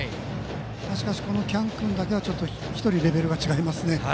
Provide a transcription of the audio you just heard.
しかし、喜屋武君だけ１人レベルが違いますね。